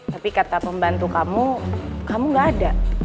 tapi kata pembantu kamu kamu gak ada